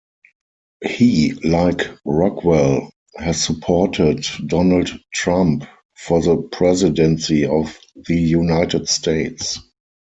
He, like Rockwell, has supported Donald Trump for the presidency of the United States.